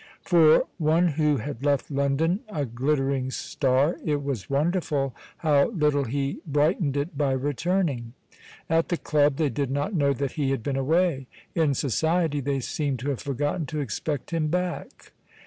For one who had left London a glittering star, it was wonderful how little he brightened it by returning. At the club they did not know that he had been away. In society they seemed to have forgotten to expect him back.